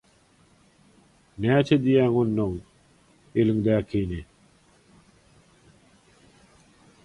– Näçe diýýäň, onnoň eliňdäkini?